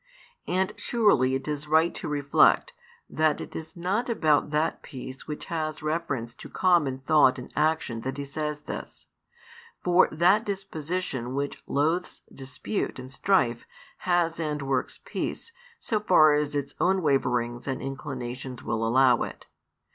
And surely it is right to reflect, that it is not about that peace which has reference to common thought and action that He says this. For that disposition which loathes dispute and strife has and works peace, so far as its own waverings and inclinations will allow it.